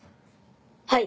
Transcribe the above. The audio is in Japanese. はい。